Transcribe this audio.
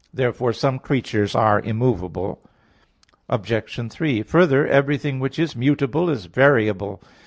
Therefore some creatures are immovable. Obj. 3: Further, everything which is mutable is variable.